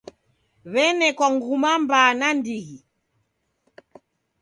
W'enekwa nguma mbaa naindighi.